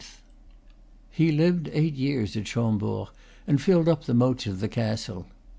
He lived eight years at Chambord, and filled up the moats of the castle.